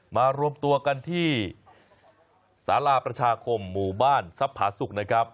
มารวมตัวกันที่สาราประชาคมหมู่บ้านทรัพย์ผาสุกนะครับ